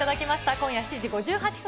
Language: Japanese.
今夜７時５８分